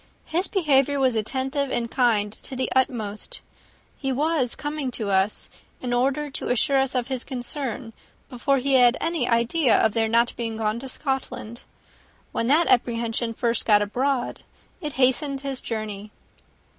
His behaviour was attentive and kind to the utmost. He was coming to us, in order to assure us of his concern, before he had any idea of their not being gone to Scotland: when that apprehension first got abroad, it hastened his journey."